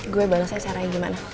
gue bales aja caranya gimana